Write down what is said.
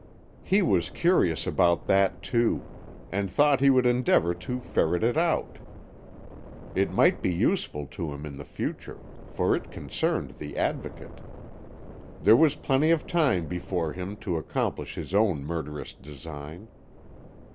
He was curious about that, too, and thought he would endeavour to ferret it out. It might be useful to him in the future, for it concerned the Advocate. There was plenty of time before him to accomplish his own murderous design.